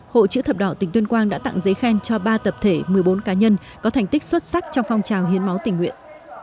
hội chữ thập đỏ tỉnh tuyên quang đã tặng giấy khen cho ba tập thể một mươi bốn cá nhân có thành tích xuất sắc trong phong trào hiến máu tình nguyện